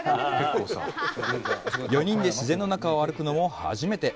４人で自然の中を歩くのも初めて！